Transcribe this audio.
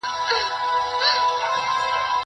تر غوږو مي ورته تاو كړل شخ برېتونه؛